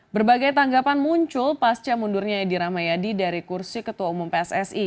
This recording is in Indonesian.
berbagai tanggapan muncul pasca mundurnya edi ramayadi dari kursi ketua umum pssi